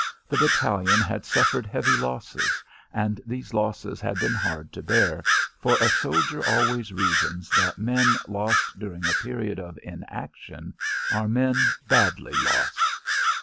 The battalion had suffered heavy losses, and these losses had been hard to bear, for a soldier always reasons that men lost during a period of inaction are men badly lost.